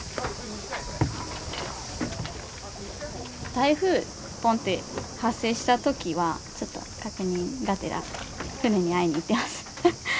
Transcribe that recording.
台風ポンって発生したときはちょっと確認がてら船に会いにいきます。